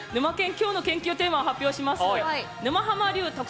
きょうの研究テーマを発表します。